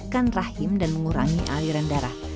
berisiko menekan rahim dan mengurangi aliran darah